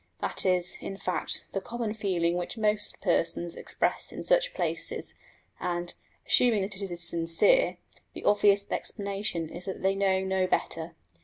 That is, in fact, the common feeling which most persons express in such places, and, assuming that it is sincere, the obvious explanation is that they know no better.